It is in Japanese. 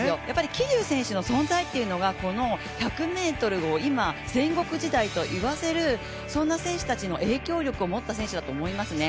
桐生選手の存在っていうのが、この１００ｍの今、戦国時代と言わせるそんな選手たちの影響力を持った選手だと思いますね。